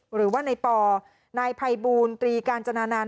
หรือว่านายปอนายภัยบูลตรีกาญจนานันต